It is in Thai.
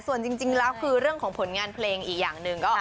ส่วนจริงแล้วคือเรื่องของผลงานเพลงอีกอย่างหนึ่งก็